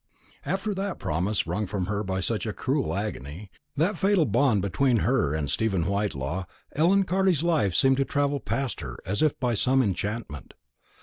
After that promise wrung from her by such a cruel agony, that fatal bond made between her and Stephen Whitelaw, Ellen Carley's life seemed to travel past her as if by some enchantment.